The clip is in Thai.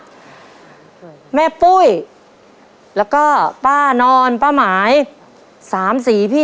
ครอบครัวของแม่ปุ้ยจากจังหวัดสะแก้วนะครับ